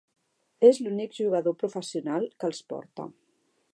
És l'únic jugador professional que els porta.